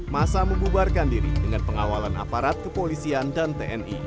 masa membubarkan diri dengan pengawalan aparat kepolisian dan tni